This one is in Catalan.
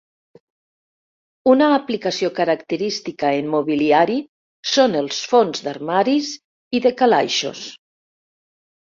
Una aplicació característica en mobiliari són els fons d'armaris i de calaixos.